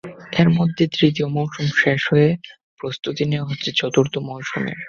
এরই মধ্যে তৃতীয় মৌসুম শেষ হয়ে প্রস্তুতি নেওয়া হচ্ছে চতুর্থ মৌসুমের।